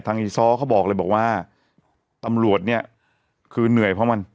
อีซ้อเขาบอกเลยบอกว่าตำรวจเนี่ยคือเหนื่อยเพราะมัน